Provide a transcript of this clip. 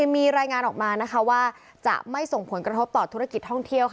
มีรายงานออกมาว่าจะไม่ส่งผลกระทบต่อธุรกิจท่องเที่ยว